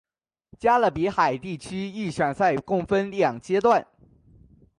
加勒比海地区预选赛共分两阶段。